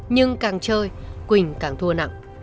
nhưng càng chơi quỳnh càng thua nặng